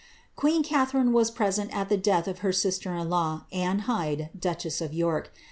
C:^ueen C athariiie was present at the death of her sister in law, .\nve llvde, duchess of York.